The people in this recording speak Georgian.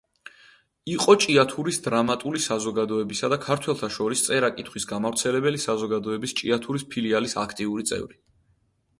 იყო ჭიათურის დრამატული საზოგადოებისა და ქართველთა შორის წერა-კითხვის გამავრცელებელი საზოგადოების ჭიათურის ფილიალის აქტიური წევრი.